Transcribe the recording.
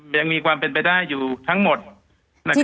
ยังมีความเป็นไปได้อยู่ทั้งหมด